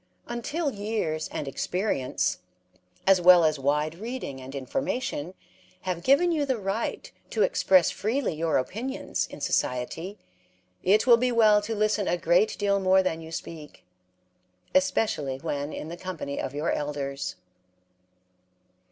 Until years and experience, as well as wide reading and information, have given you the right to express freely your opinions in society, it will be well to listen a great deal more than you speak, especially when in the company of your elders.